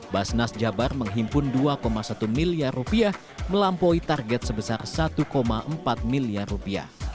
basnas jabar menghimpun dua satu miliar rupiah melampaui target sebesar satu empat miliar rupiah